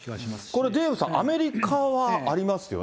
これ、デーブさん、アメリカはありますよね。